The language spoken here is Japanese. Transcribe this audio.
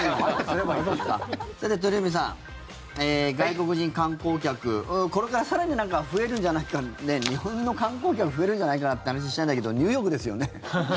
さて、鳥海さん、外国人観光客これから更に増えるんじゃないか日本の観光客増えるんじゃないかなっていう話をしたいんだけどニューヨークですよね？